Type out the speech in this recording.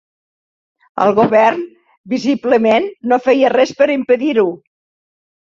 El Govern, visiblement, no feia res per impedir-ho